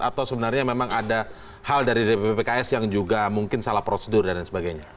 atau sebenarnya memang ada hal dari dppks yang juga mungkin salah prosedur dan sebagainya